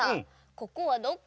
ここはどこ？